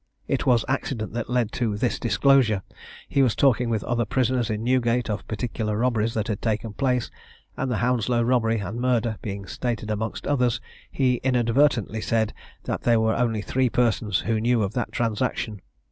It was accident that led to this disclosure. He was talking with other prisoners in Newgate of particular robberies that had taken place; and the Hounslow robbery and murder being stated amongst others, he inadvertently said, that there were only three persons who knew of that transaction.